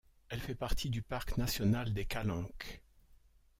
Elle fait partie du parc national des Calanques.